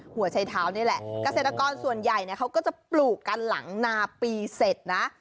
หัวใช้เท้านี่แหละเกษตรกรส่วนใหญ่เขาก็จะปลูกกันหลังนาปีเสร็จนะ